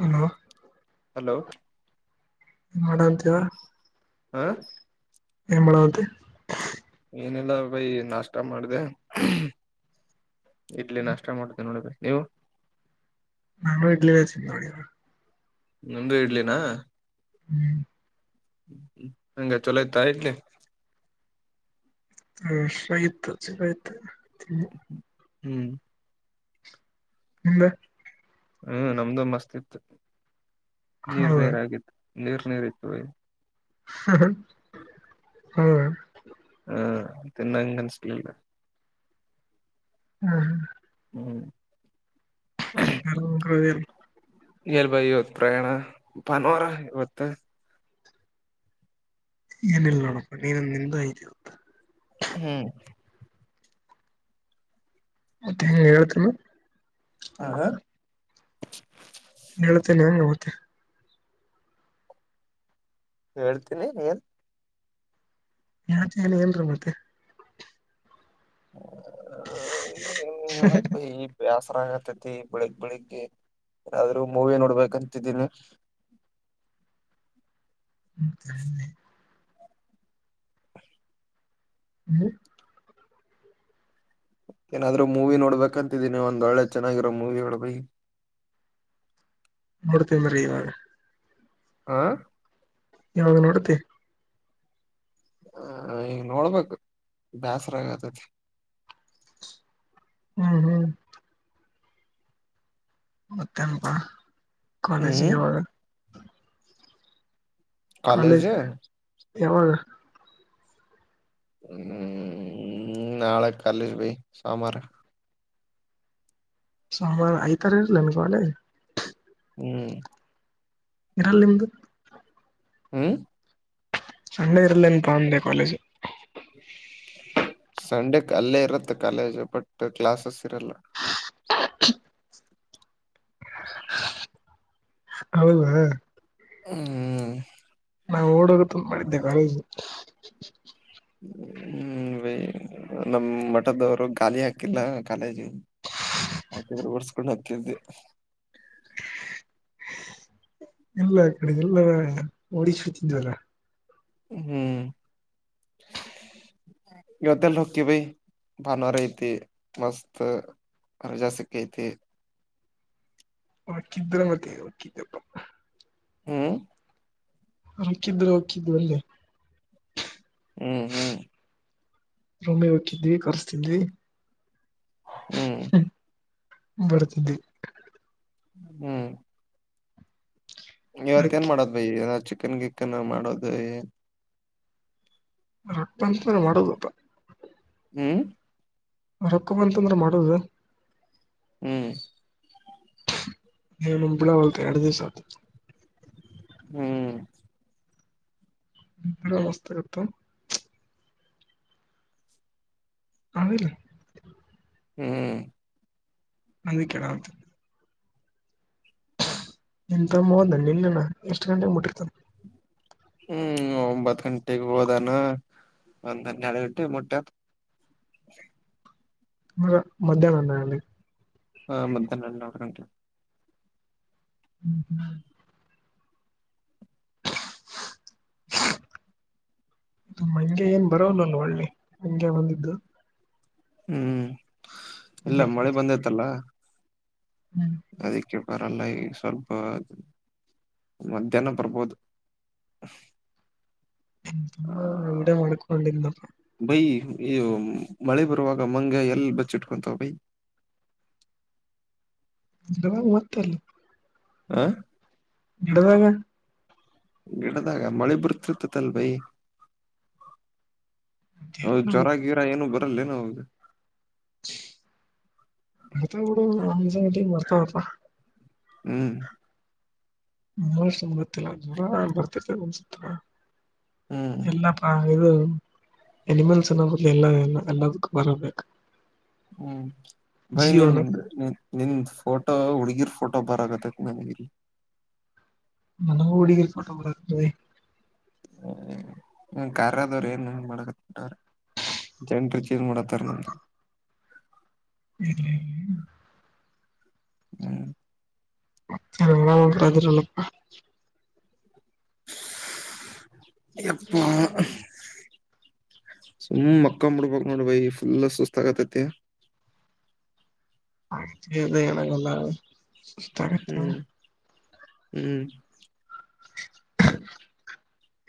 Hello hello ಲೋ ಏನ್ ಮಾಡಂತಿ ಯೋ [unintelligible] ಹ [unintelligible] ಏನ್ ಮಾಡಂತಿ? [unintelligible] ಏನ್ ಇಲ್ಲಾ ಬಾಯ್ ನಾಷ್ಟ [unintelligible] ಊಟಾ ಮಾಡ್ದೆ ಇಡ್ಲಿ ನಾಷ್ಟ ಮಾಡಿತಿನ್ ನೋಡ ಈಗ್ ನೀವು? [unintelligible] ನಾಂಗೂ ಇಡ್ಲಿ ಸಿಕ್ತ ನೋಡ ಇವಾಗ [unintelligible] ನಿಮ್ದು ಇಡ್ಲಿ ನಾ [unintelligible] ಹೂ [unintelligible] ಹೆಂಗ್ ಚಲೋ ಇತ್ತಾ ಇಡ್ಲಿ? [unintelligible] ಹೂ ಹಸಿವಾಗಿತ್ತು ಚಲೋ ಇತ್ತ ತಿಂದ್ವಿ. [unintelligible] ಹೂ [unintelligible] ನಿಮ್ದ? [unintelligible] ಹಾ ನಮ್ದು ಮಸ್ತ್ ಇತ್ತ. [unintelligible] ನೀರ್ ಹೌದ ನೀರಾಗಿತ್ತ್ ನೀರ್ ನೀರಿತ್ತು ವೋಯ್. ಹೌದ ಹಾ ತಿನಂಗನ್ಸ್ಲಿಲ್ಲ. ಹಾ ಹ. ಹ್ಮ್ [unintelligible] ಎಲ್ ಬಾಯಿ ಇವತ್ ಪ್ರಯಾಣ ಭಾನುವಾರ ಇವತ್ತ. ಏನಿಲ್ಲ ನೋಡಪ್ಪ ನೀನಂದ ನಿಂದು ಐತೆ ಇವತ್ತ್. ಹ್ಮ್. ಮತ್ತೆನ್ ಹೇಳ್ತ್ರೆನ. ಹ [unintelligible] ಹೇಳ್ತೇನ್ ಏನ್ ಉತ್ತ. ಹೇಳ್ತೀನಿ ನೀ ಏನ್. ಯಾಕ್ [unintelligible] ಮತ್ತೆ. ಅ ಏನ್ [unintelligible] ಬ್ಯಾಸರ. ಪ್ರಾಗತೈತಿ ಬೆಳಗ್ ಬೆಳಿಗ್ಗೆ ಏನಾದ್ರು ಮೂವಿ ನೋಡ್ಬೇಕಂತಿದ್ದಿನಿ. [inaudible] ಹ್ಮ್. [inaudible] ಹ್ಮ್. ಏನಾದ್ರು ಮೂವಿ ನೋಡ್ಬೇಕಂತಿದ್ದೀನಿ ಒಂದ್ ಒಳ್ಳೆ ಚೆನ್ನಾಗಿರೋ ಮೂವಿ ಹೇಳು ಬೈ. ನೋಡ್ತೀನ್ ಇರು ಇವಾಗ. ಆ. ಯಾವಾಗ್ ನೋಡುತಿ. ಹಾ ಈಗ್ ನೋಡ್ಬೇಕು ಬ್ಯಾಸ್ರಾಗತೈತಿ. ಹ್ಮ್ ಹ್ಮ್. ಮತ್ತೆನ್ಪಾ ಕಾಲೇಜಿ ಹ್ಮ್ ಯವಾಗ. ಕಾಲೇಜೂ. ಯವಾಗ. ಹ್ಮ್ ನಾಳೆ ಕಾಲ್ಲೇಜ್ ಬೈ ಸೋಮಾರ. ಸೋಮಾರು ಐ ತಾರ ಇಲನ್. [unintelligible] ಹ್ಮ್. ಇರಲ್ಲ್ ನಿಮ್ದು. ಹ್ಮ್. ಶಂಡೆ ಇರಲ್ ಏನ್ಪಾ ಅಂದೆ ಕಾಲೇಜು. ಸಂಡೆಕ್ ಅಲ್ಲೇ ಇರುತ್ತೆ ಕಾಲೇಜು ಬಟ್ಟ್ ಕ್ಲಾಸಸ್ ಇರಲ್ಲ. [inaudible] [inaudible] ಹ್ ಹೌದಾ. ಹ್ಮ್ ನಾವು ಓಡೋಗ ತಂದ್ ಮಾಡಿದ್ದೆ ಕಾಲೇಜು. ಹ್ಮ್ ಬೈ ನಮ್ಮ್ ಮಠದವ್ರು ಗಾಲಿ ಹಾಕಿಲ್ಲ ಕಾಲೇಜಿ. ಹಾಕಿದ್ರ್ ಓರ್ಸ್ಕೊಂಡು ಅಕಿದ್ದೆ. ಇಲ್ಲ ಕಡೆಗೆಲ್ಲ ಓಡಿಶ್ ತಿಂದ್ವಲ್ಲ. ಹ್ಮ್ ಇವತ್ತೆಲ್ ಹೋಕ್ಕಿ ಬಿ. ಬಾನುವಾರ್ ಐತಿ ಮಸ್ತ್ ರಜಾ ಸಿಕ್ಕ್ ಐತಿ. ಹಕ್ಕಿದ್ರ ಮತ್ತೆ ಅಕ್ಕಿದಪ್ಪ. ಹ್ಮ್. ಹಾಕ್ಕಿದ್ದು ಹಾಕ್ಕಿದ್ದಾರೆ ಎಲ್ ಹ್ಮ್ ಹ್ಮ್. ರೊಮಿಗ್ ಒಕ್ಕಿದ್ವಿ ಕರ್ಸ್ತಿದ್ವಿ. ಹ್ಮ್. ಬಡತಿದ್ವಿ. ಹ್ಮ್. ಇವತ್ತ್ ಏನ್ ಅಕ್ಕಿ ಮಾಡೋದ್ ಬೈ ಇಗಾ ಚಿಕನ್ ಗಿಕನ್ ಮಾಡೋದ ಏನ್. ರಪ್ಪ ಅಂತ್ರ ಮಾಡದಪ್ಪ ಹ್ಮ್ ರೊಕ್ಕ ಅಂತಂದ್ರೆ ಮಾಡದು ಹ್ಮ್ ನಂಬಿಳ ಒತ ಎರಡು ದಿವ ಸಾ ಹ್ಮ್ ಮಸ್ತ ಕೊತ ಹ ಹೇಳಲಿ ಹ್ಮ್ ಅಂದು ಕಡಾಗತ ನಿನ್ ತಮ್ಮ ಹೋದ ನಿನ್ನನ ಎಷ್ಟು ಗಂಟೆಗೆ ಮುಟ್ಟಿರ್ತ ಹ್ಮ್ ಒಂಬತ್ ಗಂಟೆೆಗೆ ಹೋದಾನ ಒಂದ್ ಎಡು ಗಂಟೆಗೆ ಮುಟ್ಟತ್ ಮರ ಮಧ್ಯಾಹ್ನನ ಅಲ್ಲಿ ಹಾ ಮಧ್ಯಾಹ್ನ ಎಲ್ಲಿ ನ ಗಂಟ ಹ್ಮ್ ಹ್ಮ್ ಹ ಇದು ಹಂಗೆ ಏನ್ ಬರಲ್ಲಲ್ ಒಳ್ಳೆ ಹಂಗೆ ಬಂದಿದ್ದು ಹ್ಮ್ ಇಲ್ಲ ಮಳೆ ಕಿಟಕಿ ಬಂದೈತಲ್ಲ ಅದಕ್ಕೆ ಬರಲ್ಲ ಈ ಸ್ವಲ್ಪ ಮಧ್ಯಾಹ್ನ ಬರ್ಬೋದು ಆ ಮ್ಮ ಇವಡ ಮಕೊಂಡಿಂದಪ್ಪ ಬೈ ಇ ಮಳೆ ಬರುವಾಗ ಮಂ ಎಲ್ಲಿ ಬಚ್ಚಿಟ್ಕೊಂತವ ಬೈ ಇಡ ಮತ್ತಲ್ಲ ಹ ಇಡದಾಗ ಗಿಡದಾಗ ಮಳೆ ಬರ್ತಿರ್ತತಲ್ ಭೈ ಹೌದು ಎಲ್ಲ ಜ್ವರ ಗೊತ್ತು ಗೀರಾ ಏನು ಬರಲ್ಲೇನ ಹದು ಮ ಆ ಮರ್ತತ ಹ್ಮ್ ನ ವರ್ಷ ಮುಗತ್ತಿಲ್ಲ ಜ್ವರ ಬರ್ತಿತೆನ್ಸ ಹ್ಮ್ ಎಲ್ಲಪ್ಪಾ ಹಾಗದು ಅನಿಮಲ್ಸ್ ಅನ್ನೋ ಬದಲು ಎಲ್ಲ ಎಲ್ಲ ಎಲ್ಲದಕ್ಕ ಬರಬೇಕು ಹ್ಮ್ ಬೈ ನಿನ್ ಜೀವನ ನಿನ್್ ಫೋಟೋ ಹುಡ್ಗಿರ್ ಫೋಟೋ ಬರತ್ತ ು ಮ ಮರಿ ನ ೂಡಫೋಟೋಗ್ರಾಫಿ ಹ್ಮ ಹ್ಮ ಕಾರಖದವ್ರ ಏನ್ ಮಾಡಕ ಜನರಿ ಚೇಜ್ ಮಾಡತ್ತಾರ ನ ಇ ಹ್ಮ್ ಎದರಲ್ಲಪ್ಪ ಅಪ್ಪ ಸುಮ್ಮ್ ಅಕ್ಕಂಬಡ್ಬಕ್ ನೋಡ ಬೈ ಫುಲ್ ಸುಸ್ತ ಆಾಗತತಿ ಆ ಅ ಹೇಳಾಗಲ್ಲ ಇಷ್ಟ ಆಗತ್ತೆ ಹ್ಮ್ ಹ್ಮ್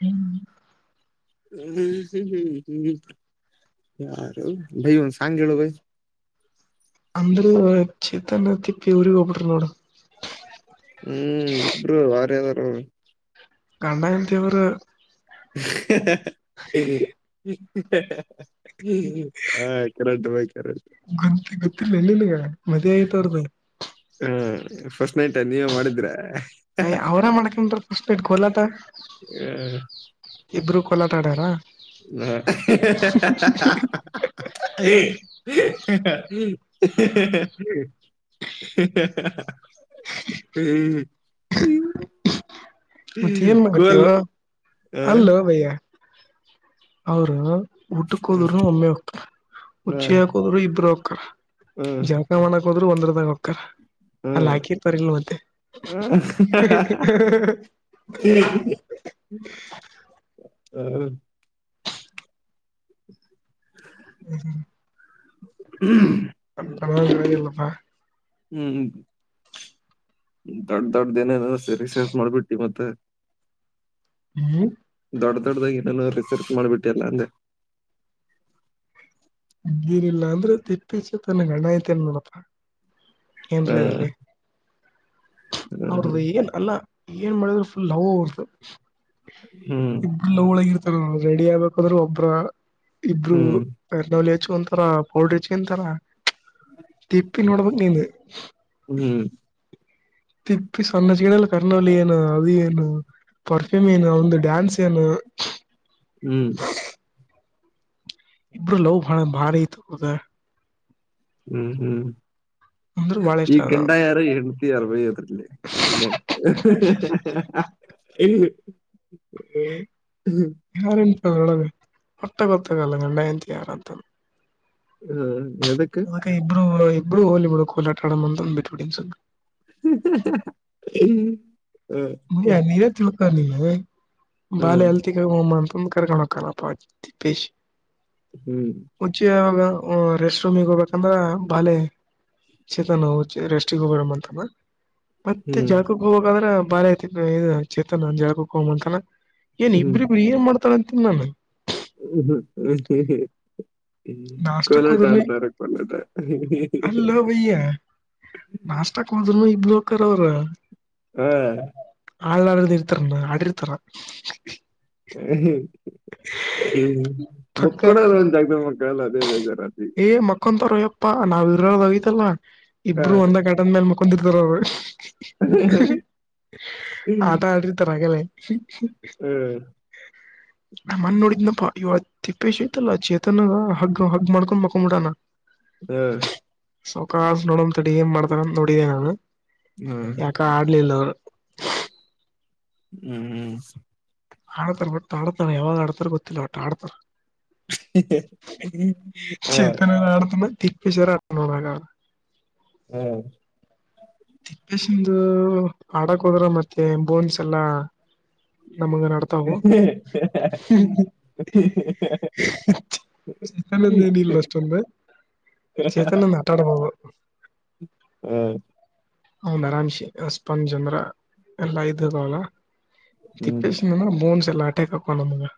ಹ್ಮ್ ಯಾರ ಭೈ ಒ ಸಲ್ಲ ಬ ಅಂದ್ರ ಚೇತನ್ ತಿಪ್ಪಿವ್ರಗ್ ಹೋಗಬಿಟ್ರರು ನೋಡು ಹ್ಮ್ ಇಬ್ರು ವರ್ಯದಾರ ಕಂಡಾಯತವರು ಹ ಹ ಕರೆಟ್ ಬರೆ ಅಂತ ಗೊತ್ತಿಿಲ್ಲ ಎಲ್ಲಿಲ್ಗ ಮದೆ ಆಯತ ಅವ್ರ್ದ ಹ ಫಸ್ಟ್ ನೈಟ್ ನೀವೇ ಮಾಡಿದ್ರೆ ಅಯ ಅವ್ರ ಮಾಡ್ಕನ್್ರ ಫಸ್ಟ್ಟ್ ಗೋಲತ್ತ ಇಬರು ಹೊಲ ತೊಗೊಂಡರ ಹ್ಮ [unintelligible] ಹ್ಮ್ ಹ್ಮ ಮತ್ತೆ ಏನ್ ಮಾಡತೀವ ಹ್ಮ್ ಅಲ್ಲ ಭಯ್ಯ ಅವರು ಉಟ್ಟ ಕೋದರು ಒಮ್ಮೆ ಹುಚ್ಚಿ ಹಾಕೋದ್ರು ಇಬ್ರು ಹಕ್ಕರ ಜಳಕ ಮಾಡಕ್ಕೆ ಹೋದ್ರು ಒಂದ್ರದಾಗ ಹಕ್ಕ ಅಲ್ಲ ಹಾಕಿರ್ತರ್ಿಲ್ಲ ಮತ್ತೆ ಹ್ಮ್ ಹಾ ಹ್ಮ ಹ್ಮ ಕ [unintelligible] ಹ್ಮ್ ದೊಡ್ ದೊಡ್ದ ಏನೇನ ಸ ರಿಸರ್ಚ್ ಮಾಡ್ಬಿಟ್ಟಿ ಮತ್ತೆ ಹ್ಮ್ ದೊಡ್ಡ ದೊಡ್ಡ್ದಾಗಿ ಏನೇನೋ ರಿಸರ್ಚ್ ಮಾಡ್ಬಿಟ್ಟಿ ಅಲ್ಲ ಅಂದೆ ನೀನಿಲ್ಲ ಅಂದ್ರೆ [unintelligible] ತನ್ನ ಅಣ್ಣ ಯ್ತೆನೆ ನೋಡಪ್ಪಾ ಆ, ಏನ್ರೀ ಇರ್ಲಿ ಆ, ಅವ್ರದದು ಏನ್ ಅಲ್ಲ ಏನ್ ಮಾಡಿದ್ರ ಫುಲ್ ಲವ ಅವರ್ದು ಹ್ಮ್ ಇಬ್ಲ ಲವ್ ಒಳಗಿರ್ತಾರ ರೆಡಿ ಆಗ್ಬೇಕದ್ರೆ ಒಬ್ಬ್ರ ಇಬ್ರು ಹ್ಮ್ ಫೇರ್ ಅಂಡ್ ಲವ್ಲಿ ಹಚ್ ಕೊಂತಾರ್ ಪೌಡರ್ ಹಚ್ಕೊಂತಾರ ತಿಪ್ಪಿ ಹ್ಮ್ ನೋಡಬೇಕು ನಿಂದ್ ತಿಪ್ಪಿ ಸಣ್ಣ ಚಿಕನಲ್ಲ [unintelligible] ಏನು ಅದು ಏನು ಪರ್ಫ್ಯೂಮ್ ಏನು ಅವನದು ಡ್ಯಾನ್ಸ್ ಏನು ಹ್ಮ್ ಇಬ್ರು ಲವ್ ಭಾರಿ ಐತ ಅದ ಹ್ಮ್ ಹ್ಮ್ ಬಾಳ ಇಷ್ಟ ಈ ಅದ ಗಂಡ ಯಾರು ಹೆಂಡತಿ ಯಾರ್ ಬೈ ಅದ್ರಲ್ಲಿ ಗಂಡ ಹ ಯಾರನುಂತ ಹೊಟ್ಟ ಕೊತ್ತ ಕಾಲಂಗಲ್ಲಂತ ಯಾರತ ಹ್ಮ ಎದುಕ್ಕ ಇಬ್ರು ಇಬ್ರು ಹೋಲಿ ಬಿಡ ಕೋಲಾಟಡ ಅಂದಂದು ಬಿಟ್ಬಿಡಿ ಸ್ವಲ್ಪ ಹ್ಮ್ [unintelligible] ಬಾಲೆ ಅಲ್ತಿಗಮ್ಮಂತಂದು ಕರ್ಕಣ ಹಕ್ಕಲ್ಲಪ್ಪ ದ ತಿಪ್ಪಿ ಹ್ಮ್ ಊಚಿಯಾಗ ರೆಸ್ಟ್ ರೂಮಿಗೆ ಹೋಗ್ಬೇಕಂದ್ರ ಬಾಲೆ ಚೀತನ್ವು ರೆಸ್ಗೆ ಹೋಗಬಡ ಅಂತಮ್ಮ ಮತ್ತೆ ಹ್ಮ್ ಜಳಕ ಹೋಗಕಂದ್ರೆ ಬಾರಿ ಆತ ಇ ಚೇತನ ಜಾಗಕ್ಕೆ ಹೋಗ್ ಅತಾನ ಏನ್ ಇಬ್ಬ್ಬರು ಏನ್ ಮಾಡತಾರ ಅಂತನ್ ನಾನನ್ ಹ್ಮ್ ಹ್ಮ್ ಹ್ಮ್ ಹ್ಮ್ ಹ್ಮ ಹ್ಮ ನಾಷ್ಟಕ್ ಹೋದ್ರನು ಕೊಲ್ಲಟಡ್ತಾರೆ ಕೊಲ್ಲದ ನಾಷ್ಟಾಕ್ ಹದ್ನು ಇಬ್ಲಕರ್ ಅವ್ರ ಹ್ಮ್ ಆಳಾಡ್ದ ಇರ್ತಾರ ನ ಆಡಿರ್ತಾರ ಹ್ಮ್ ಪಕ್ಕ ಮಕ್ಕಳಲ್ಲ ಒಂದು ಜಾಗದ ಮಕ್ಕಳಲ್ಲ ಬೇಜಾರ್ ಅವಯಪ್ಪಾ ನಾವ್ ಇರೋಗತಲ್ಲಾ ಹಾ ಇಬ್ರು ಒಂದ ಘಟದ ಮೇಲ್ ಮುಕೊಂದಿರ್ತಾರ ಅವ್ರು ಹ್ಮ್ ಆಟ ಆಡಿರುತ್ತಾರೆ ಆಗಲೇ ಹ್ಮ್ ಮುನ್ನ ನೋಡಿದ್ನಪ್ಪ ತಿಪ್ಪೇಶಯತಲ್ಲ ಚೇತನ ಹಗ್ ಹಗ್ ಮಾಡ್ಕೊಂಡ್ ಮಕೊಂಡ್ ಬಿಡಣ ಹ್ಮ್ ಸಾವಕಾಶ ನೋಡಿದಡಿ ಏನ್ ಮಾಡ್ತಾರಂತ ನೋಡಿದೆ ನಾನು ಯಾಕ ಆಡ್ಲಿಲ್ಲ ಅವರು ಹ್ಮ್ ಹ್ಮ್ ಆಡ್ತಾರ ಒಟ್ ಆಡ್ತಾರ ಯಾವಾಗ ಆಡ್ತಾರ ಗೊತ್ತಿಲ್ಲ ಒಟ್ ಆಡ್ತಾರ ಹಾ ಚೇತನತನ್ನ ಆಡ್ತಾನ ಕಿಂಗ್ ಪಿಶರ್ ಅದನ್ನುರಾಗ್ ಹ್ಮ ತಿಪ್ಪೇಶಂದು ಹಾಡಕ್ ಹೋದ್ರ ಮತ್ತೆ ಬೋನ್ಸ್ ಎಲ್ಲಾ ನಮ್ಮಂಗ ನಾಡತವು ಚೇತನ್ಂದ ಹ್ಮ್ ಏನ ಇಲ್ಲ ಅಷ್ಟೊಂದು ಚೇತನ್ಂದ ನಟಾಡಬೋದು ಹ್ಮ್ ಹೌನ್ ಅರಂ ಸೇ ಸ್ಪಂಜ್ ಅಂದ್ರ ಎಲ್ಲಾ ಇದ ಅದಾನ್ ಹ್ಮ್ ತಿಪ್ಪೆಸ ಬೋನ್ಸ್ ಎಲ್ಲ ಅಟೆಕ್ ಅಕ್ಕವ್ವ ನಮಗೆ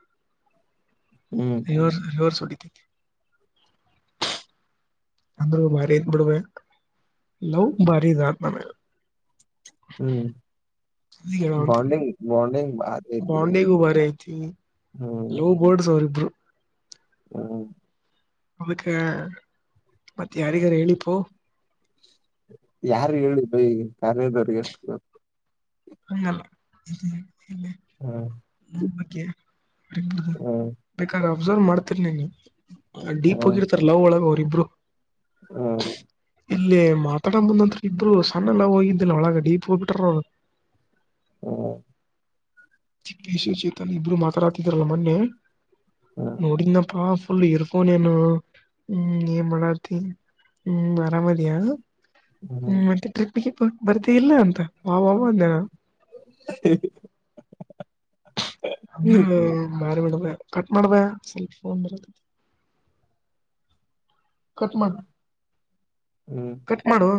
ಹ್ಮ್, ರಿವರ್ಸ್ ರಿವರ್ಸ್ ಹೊಡಿತೈತೆ ಅಂದರೂ ಭಾರಿ ಐತ ಬಿಡ್ ಬೈ ಲವ್ ಭಾರಿ ಇದ ಅತ್ ನನಗ ಹ್ಮ್ ಬಾಂಡಿಂಗ್ ಬಾಂಡಿಂಗ್ ಭಾರಿ ಐತ್ ಬಿಡು ಬೈ. ಬಾಂಡಿಂಗು ಬಾರಿ ಐತಿ ಲವ್ ಬರ್ಡ್ಸ್ ಅವರಿಬ್ಬರೂ ಹ್ಮ ಅದಕ್ಕೆ ಮತ್ತೆ ಯಾರಗಾರು ಹೇಳಿಪ್ಪ ಯಾರು ಹೇಳಿ ಬೈ ಕಾರ್ಯದವರಿಗೆ ಅಷ್ಟ ಹಂಗಲ್ಲ ಹ್ಮ್ ಅಕಿ ಅಕಿ ಹ್ಮ್, ಬೇಕಾರ ಅಬ್ಸರ್ವ್ ಮಾಡ್ತಿರ ನೀನು ಡೀಪ್ ಹ್ಮ್, ಹೋಗಿರ್ತಾರೆ ಲವ್ ಒಳಗೆ ಅವ್ರ ಇಬ್ರು ಹ್ಮ್, ಇಲ್ಲಿ ಮಾತಾಡ ಮುಂದ ಅಂತರು ಇಬ್ರು ಲವ್ ಹೋಗಿದ್ದಿಲ್ಲ ಒಳ ಡಿಪ್ ಹೋಗ್ಬ ಬಿಟ್ರ ಅವರು ಹ್ಮ ಚಿಕ್ಕೇಶ ಶೀತಲ್ ಇಬ್ರು ಮಾತಾಡ್ತಿದ್ರಲ್ಲ ಮೊನ್ನೆ ಹ್ಮ್, ನೋಡಿದನಪ್ಪಾ ಫುಲ್ಲು ಏರ್ ಫೋನ್ ಹ್ಮ್ ಏನ್ ಮಾಡತಿ ಹ್ಮ್ ಆರಾಮದಿಯ ಹ್ಮ ಹ್ಮ್. ಮತ್ತೆ ಟ್ರಿಪ್ಗೆ ಭರ್ತಿ ಇಲ್ಲ ಅಂತ ಬ ಅಂದೇನ [inaudible] ಅ ಮಾರಮೇಡ ಕಟ್ ಮಾಡ್ದ ಸ್ವಲ್ಪ ಫೋನ ಬರಕತ್ತತಿ ಕಟ್ ಮಾಡ ಹ್ಮ್. ಕಟ್ ಮಾಡು